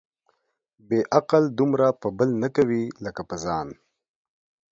بې عقل دومره په بل نه کوي ، لکه په ځان.